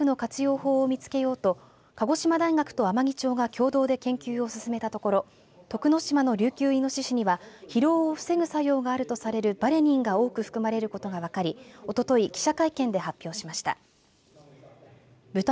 法を見つけようと鹿児島大学と天城町が共同で研究を進めたところ徳之島のリュウキュウイノシシには疲労を防ぐ作用があるとされるバレニンが多く含まれることが分かりおととい記者会見で発表しました。